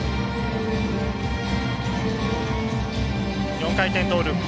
４回転トーループ。